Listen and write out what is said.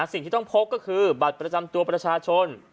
สิ่งที่ต้องพกก็คือบัตรประจำตัวประชาชน